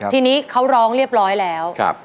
ทีนี้เขาร้องเรียบร้อยแล้ว